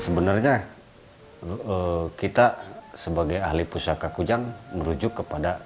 sebenarnya kita sebagai ahli pusaka kujang merujuk kepada